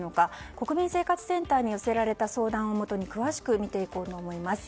国民生活センターに寄せられた相談をもとに詳しく見ていこうと思います。